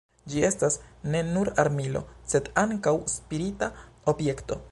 Ĝi estas ne nur armilo, sed ankaŭ spirita objekto.